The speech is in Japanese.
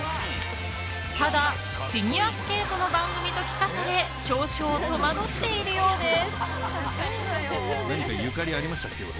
ただ、フィギュアスケートの番組と聞かされ少々戸惑っているようです。